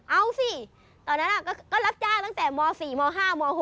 เอาสิตอนนั้นก็รับจ้างตั้งแต่ม๔ม๕ม๖